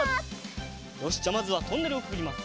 よしじゃあまずはトンネルをくぐります。